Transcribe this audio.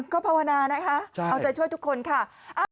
ก็ภาวนานะคะเอาใจช่วยทุกคนค่ะ